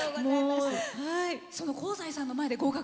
その香西さんの前で合格。